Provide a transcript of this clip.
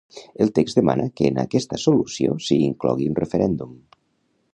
El text demana que en aquesta solució s’hi inclogui un referèndum.